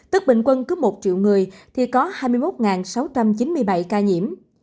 tức bình quân cứ một triệu người thì có hai mươi một sáu trăm chín mươi bảy ca nhiễm